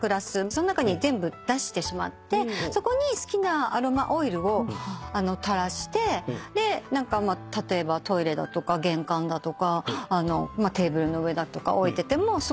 その中に全部出してしまってそこに好きなアロマオイルを垂らしてで例えばトイレだとか玄関だとかテーブルの上だとか置いててもすごく匂いが。